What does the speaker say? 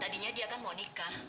tadinya dia kan mau nikah